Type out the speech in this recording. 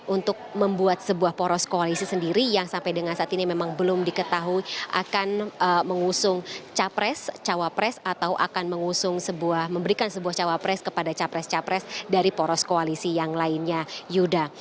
untuk membuat sebuah poros koalisi sendiri yang sampai dengan saat ini memang belum diketahui akan mengusung capres cawapres atau akan mengusung sebuah memberikan sebuah cawapres kepada capres capres dari poros koalisi yang lainnya yuda